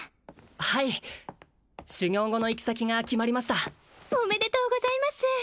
はい修行後の行き先が決まりましたおめでとうございます